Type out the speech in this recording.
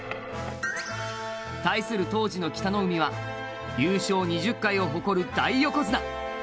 対する当時の北の湖は優勝２０回を誇る大横綱。